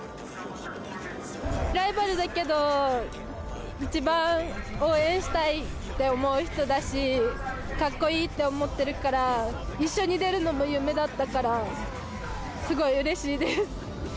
ライバルだけど、一番応援したいって思う人だし、かっこいいって思ってるから、一緒に出るのも夢だったから、すごいうれしいです。